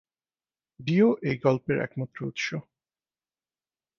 Deo এই গল্পের একমাত্র উৎস।